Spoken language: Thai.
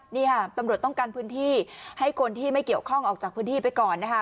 นี่ค่ะตำรวจต้องกันพื้นที่ให้คนที่ไม่เกี่ยวข้องออกจากพื้นที่ไปก่อนนะคะ